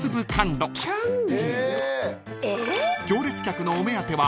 ［行列客のお目当ては］